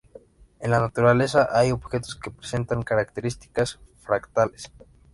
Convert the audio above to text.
En la naturaleza hay objetos que presentan características fractales.